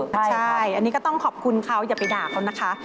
ใช่อันนี้ก็ต้องขอบคุณเขาอย่าไปด่าเขานะคะ